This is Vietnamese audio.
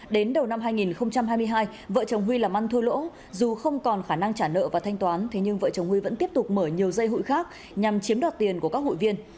đến đầu năm hai nghìn hai mươi hai vợ chồng huy làm ăn thua lỗ dù không còn khả năng trả nợ và thanh toán thế nhưng vợ chồng huy vẫn tiếp tục mở nhiều dây hụi khác nhằm chiếm đoạt tiền của các hụi viên